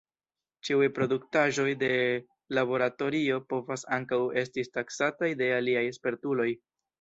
Ĉiuj produktaĵoj de laboratorio povas ankaŭ estis taksataj de aliaj spertuloj.